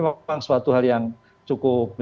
kekecewaan dari masyarakat